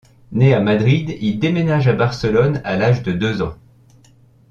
Né à Madrid, il déménage à Barcelone à l'âge de deux ans.